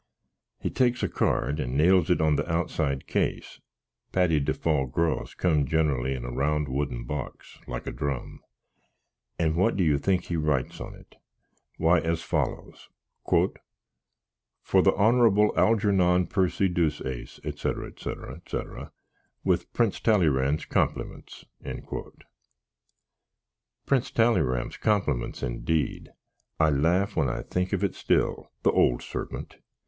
He takes a card, and nails it on the outside case (patty defaw graws come generally in a round wooden box, like a drumb); and what do you think he writes on it? why, as follos: "For the Honourable Algernon Percy Deuceace, etc. etc. etc. With Prince Talleyrand's compliments." Prince Tallyram's complimints, indeed! I laff when I think of it still, the old surpint!